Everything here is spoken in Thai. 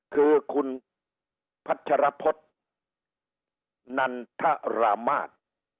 คือคุณพัชรพฤษนันทรามาศ